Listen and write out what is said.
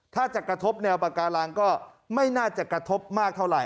ถ้าจะกระทบแนวปากาลังก็ไม่น่าจะกระทบมากเท่าไหร